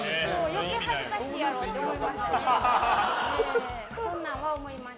余計恥かしいやろって思いました。